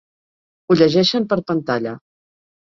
Ho llegeixen per pantalla.